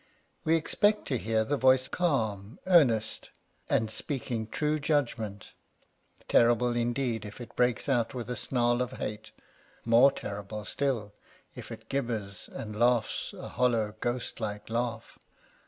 We expect to hear the voice calm, earnest, and speaking true judgment ; terrible indeed if it breaks out with a snarl of hate — more terrible still if it gibbers and laughs a hollow, ghost like laugh.